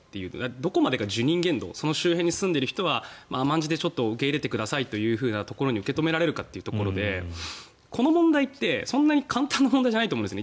どこまでが受忍限度その周辺に住んでいる人は甘んじて受け入れてくださいというところに受け止められるかということでこの問題ってそんなに簡単な問題ではないと思うんですね。